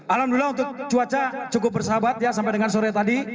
alhamdulillah untuk cuaca cukup bersahabat ya sampai dengan sore tadi